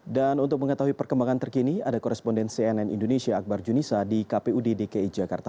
dan untuk mengetahui perkembangan terkini ada koresponden cnn indonesia akbar junisa di kpud dki jakarta